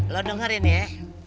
lu dengerin ya